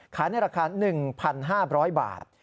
ในราคา๑๕๐๐บาท